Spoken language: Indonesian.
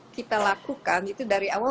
kita lakukan itu dari awal